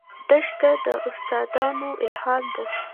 دښته د داستانونو الهام ده.